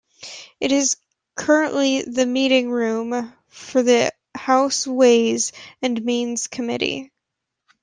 It is currently the meeting room for the House Ways and Means Committee.